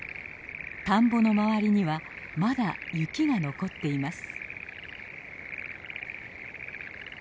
田んぼの周りにはまだ雪が残っています。